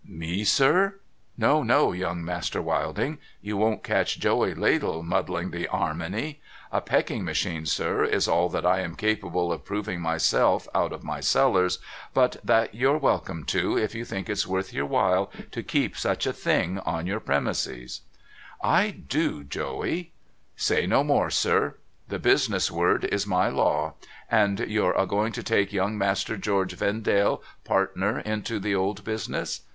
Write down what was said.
' Me, sir ? No, no. Young Master Wilding, you won't catch Joey Ladle muddling the Armony. A pecking machine, sir, is all that I am capable of proving myself, out of my cellars ; but that you're welcome to, if you think it's worth your while to keep such a thing on your premises.' 2 I 482 NO THOROUGHFARE ' I do, Joey.' ' Say no more, sir. The Business's word is my law. And you're a going to take Young Master George Vendale partner into the old Business